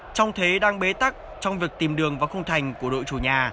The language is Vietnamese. trong thế đang bế tắc trong việc tìm đường và khung thành của đội chủ nhà